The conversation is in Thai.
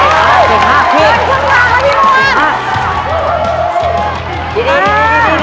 สุดเท่านี้ใจเย็น